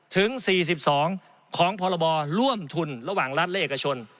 ถึง๔๒ของพรบร่วมทุนระหว่างรัฐและเอกชน